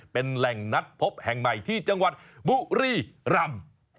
เป็นแหล่งนัดพบแห่งใหม่ที่จังหวัดบุรีรำ